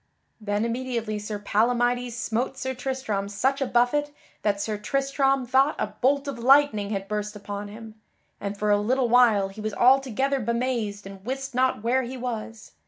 Then immediately Sir Palamydes smote Sir Tristram such a buffet that Sir Tristram thought a bolt of lightning had burst upon him, and for a little while he was altogether bemazed and wist not where he was.